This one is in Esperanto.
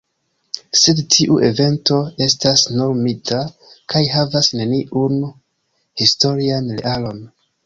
Sed tiu evento estas nur mita, kaj havas neniun historian realon.